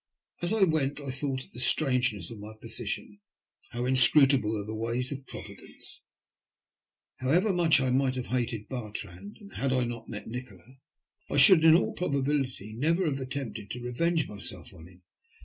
As I went I thought of the strangeness of my position. How inscrutable are the ways of Providence ! How ever much I might have hated Bartrand, had I not met Nikola I should in all probability never have attempted to revenge myself on him.